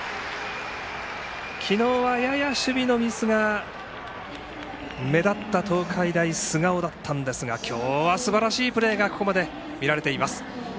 昨日は、やや守備のミスが目立った東海大菅生だったんですが今日はすばらしいプレーがここまで見られています。